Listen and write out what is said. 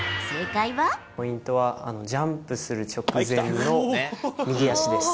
ポイントはジャンプする直前の右足です。